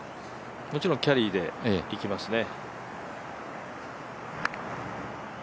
もちろんキャリーでいきますね。